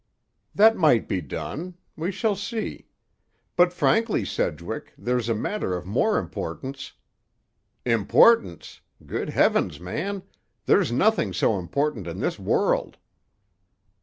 "That might be done. We shall see. But frankly, Sedgwick, there's a matter of more importance—" "Importance? Good heavens, man! There's nothing so important in this world!"